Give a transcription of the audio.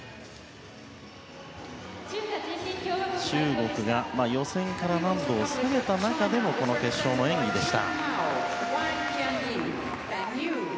中国が予選から難度を下げた中でのこの決勝の演技でした。